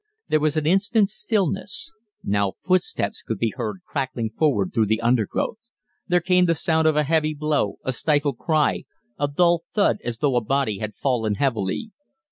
There was an instant's stillness. Now footsteps could be heard crackling forward through the undergrowth. There came the sound of a heavy blow, a stifled cry, a dull thud as though a body had fallen heavily.